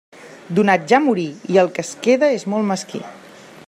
Donat ja morí, i el que es queda és molt mesquí.